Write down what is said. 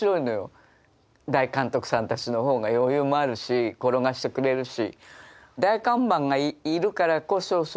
大監督さんたちのほうが余裕もあるし転がしてくれるし。